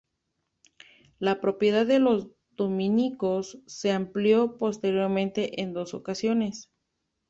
La propiedad de los dominicos se amplió posteriormente en dos ocasiones.